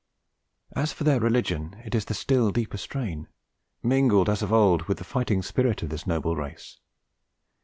As for their religion, it is the still deeper strain, mingled as of old with the fighting spirit of this noble race.